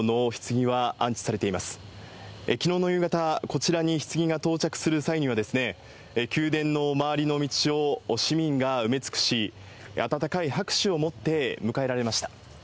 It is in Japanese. きのうの夕方、こちらにひつぎが到着する際には、宮殿の周りの道を市民が埋め尽くし、温かい拍手をもって迎えられました。